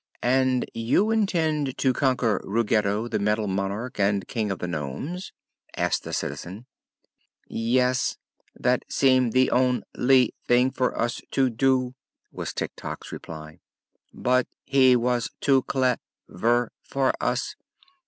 "And you intended to conquer Ruggedo, the Metal Monarch and King of the Nomes?" asked the Citizen. "Yes. That seemed the on ly thing for us to do," was Tik Tok's reply. "But he was too clev er for us.